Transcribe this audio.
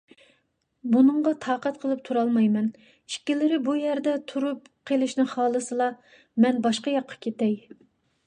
بۇنىڭغا تاقەت قىلىپ تۇرالمايمەن، ئىككىلىرى بۇ يەردە تۇرۇپ قېلىشنى خالىسىلا، مەن باشقا ياققا كېتەي!